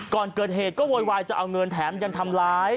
ก่อนเกิดเหตุก็โวยวายจะเอาเงินแถมยังทำร้าย